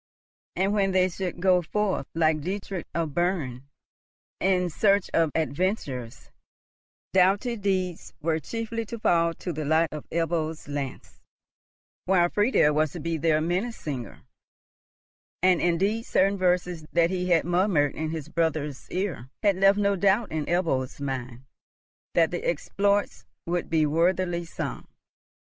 And, when they should go forth, like Dietrich of Berne, in search of adventures, doughty deeds were chiefly to fall to the lot of Ebbo's lance; while Friedel was to be their Minnesinger; and indeed certain verses, that he had murmured in his brother's ear, had left no doubt in Ebbo's mind that the exploits would be worthily sung.